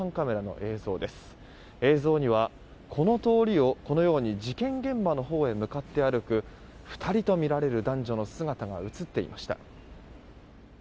映像にはこの通りを、このように事件現場のほうへ向かって歩く２人とみられる男女の姿が映っていました。